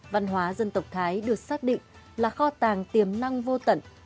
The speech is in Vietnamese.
văn hóa dân tộc thái được xác định là kho tàng tiềm năng vô tận